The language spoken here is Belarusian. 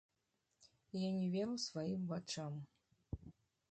Я не веру сваім вачам.